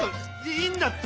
いいんだって！